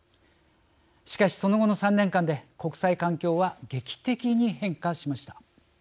しかし、その後の３年間で国際環境は劇的に変化しました。